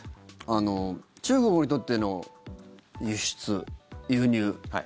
中国にとっての輸出・輸入。